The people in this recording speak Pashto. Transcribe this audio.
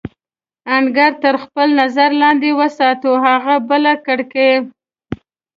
انګړ تر خپل نظر لاندې وساتو، هغه بله کړکۍ.